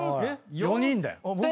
３。４人だよ。